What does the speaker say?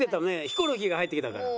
ヒコロヒーが入ってきたから。